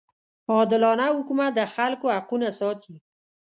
عادلانه حکومت د خلکو حقونه ساتي.